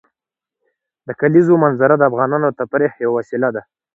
د کلیزو منظره د افغانانو د تفریح یوه وسیله ده.